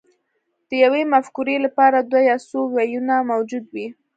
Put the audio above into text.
د یوې مفکورې لپاره دوه یا څو ویونه موجود وي